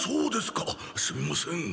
すみません。